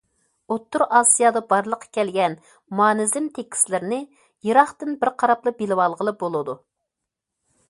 ئوتتۇرا ئاسىيادا بارلىققا كەلگەن مانىزم تېكىستلىرىنى يىراقتىن بىر قاراپلا بىلىۋالغىلى بولىدۇ.